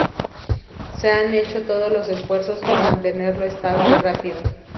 Se han hecho todos los esfuerzos por mantenerlo estable y rápido.